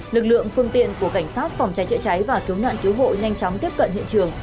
lực lượng phương tiện của cảnh sát phòng cháy chữa cháy và cứu nạn cứu hộ nhanh chóng tiếp cận hiện trường